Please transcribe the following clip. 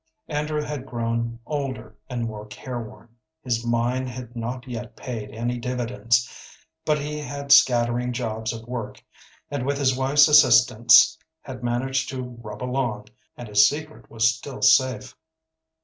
Andrew had grown older and more careworn; his mine had not yet paid any dividends, but he had scattering jobs of work, and with his wife's assistance had managed to rub along, and his secret was still safe.